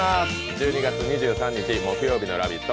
１２月２３日木曜日の「ラヴィット！」